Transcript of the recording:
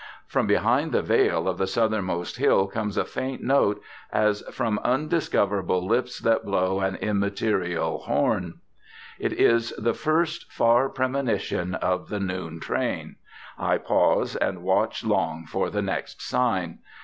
From behind the veil of the southernmost hill comes a faint note as From undiscoverable lips that blow An immaterial horn. It is the first far premonition of the noon train; I pause and watch long for the next sign.